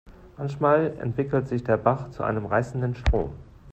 Manchmal entwickelt sich der Bach zu einem reißenden Strom.